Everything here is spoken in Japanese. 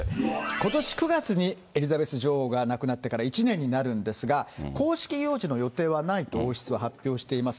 ことし９月にエリザベス女王が亡くなってから１年になるんですが、公式行事の予定はないと王室が発表しています。